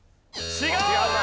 違う！